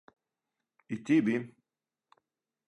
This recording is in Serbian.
И ти би?